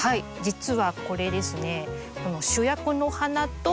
実はこれですね主役の花と背景。